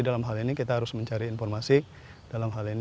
dalam hal ini kita harus mencari informasi